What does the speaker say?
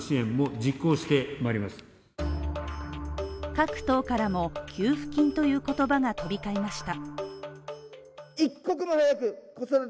各党からも給付金という言葉が飛び交いました。